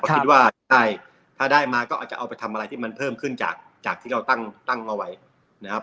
คิดว่าถ้าได้มาก็อาจจะเอาไปทำอะไรที่มันเพิ่มขึ้นจากที่เราตั้งเอาไว้นะครับ